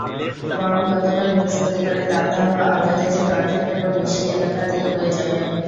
বরং গতকাল বৃহস্পতিবারের দাবদাহ আজও দেশের অর্ধেকেরও বেশি এলাকা দিয়ে বয়ে যাবে।